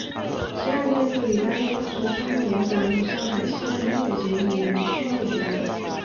西岸建筑与当代艺术双年展与上海西岸音乐节也于区内举办。